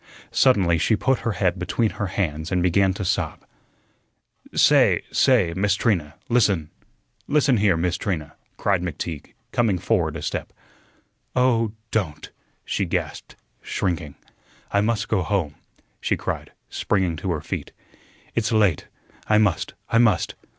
Suddenly she put her head between her hands and began to sob. "Say, say, Miss Trina, listen listen here, Miss Trina," cried McTeague, coming forward a step. "Oh, don't!" she gasped, shrinking. "I must go home," she cried, springing to her feet. "It's late. I must. I must.